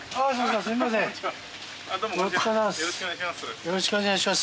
よろしくお願いします。